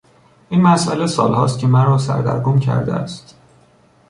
این مسئله سالهاست که مرا سردرگم کرده است.